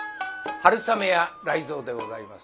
春雨や雷蔵でございます。